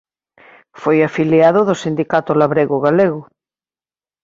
Foi afiliado do Sindicato Labrego Galego.